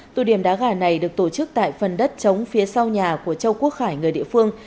tụ điểm đá gà này được tổ chức tại phần đất chống phía sau nhà của châu quốc khải người địa phương